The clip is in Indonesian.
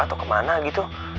atau kemana gitu